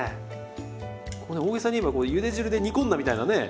これ大げさに言えばゆで汁で煮込んだみたいなね